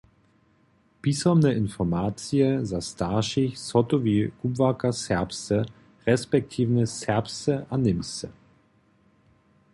Pisomne informacije za staršich zhotowi kubłarka serbsce resp. serbsce a němsce.